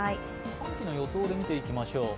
寒気の予想で見ていきましょう。